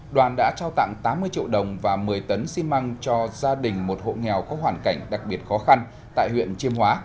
đoàn đã trao tặng tám mươi triệu đồng và một mươi tấn xi măng cho gia đình một hộ nghèo có hoàn cảnh đặc biệt khó khăn tại huyện chiêm hóa